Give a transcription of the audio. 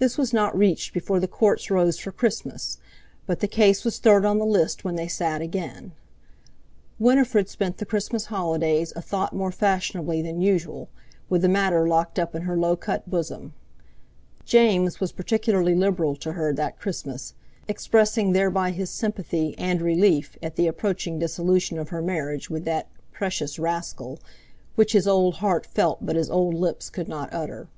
This was not reached before the Courts rose for Christmas, but the case was third on the list when they sat again. Winifred spent the Christmas holidays a thought more fashionably than usual, with the matter locked up in her low cut bosom. James was particularly liberal to her that Christmas, expressing thereby his sympathy, and relief, at the approaching dissolution of her marriage with that "precious rascal," which his old heart felt but his old lips could not utter.